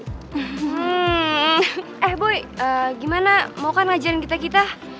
hmm eh bu gimana mau kan ngajarin kita kita